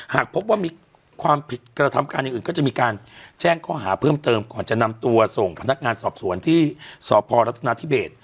หากพบว่ามีความผิดกระทำการอย่างอื่นก็จะมีการแจ้งข้อหาเพิ่มเติมก่อนจะนำตัวส่งพนักงานสอบสวนที่สพรัฐนาธิเบส